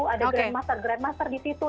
ada grandmaster grandmaster di situ